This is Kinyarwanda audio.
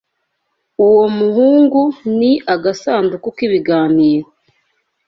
Uwo muhungu ni agasanduku k'ibiganiro.